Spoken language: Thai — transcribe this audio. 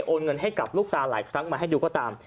เงินให้กับลูกตาหลายครั้งมาให้ดูก็ตาม